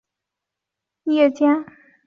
导引头亦让导弹可在恶劣天气或夜间作战。